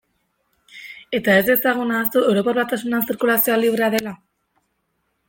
Eta ez dezagun ahaztu Europar Batasunean zirkulazioa librea dela?